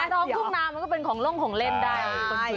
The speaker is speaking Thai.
ท่องทรุ่งน้ำก็เป็นของร่งของเล่นได้